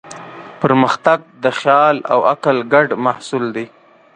پرمختګ د خیال او عقل ګډ محصول دی.